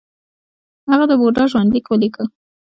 هغه د بودا ژوند لیک ولیکه